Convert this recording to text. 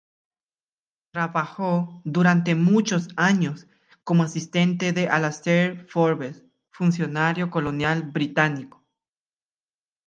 Trabajó durante muchos años como asistente de Alastair Forbes, funcionario colonial británico.